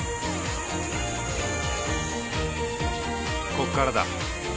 こっからだ。